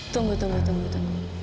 tunggu tunggu tunggu